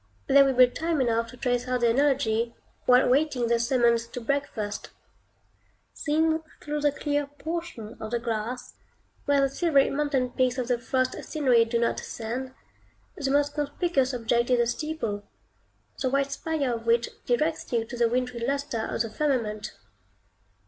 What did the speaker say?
There will be time enough to trace out the analogy, while waiting the summons to breakfast. Seen through the clear portion of the glass, where the silvery mountain peaks of the frost scenery do not ascend, the most conspicuous object is the steeple, the white spire of which directs you to the wintry lustre of the firmament.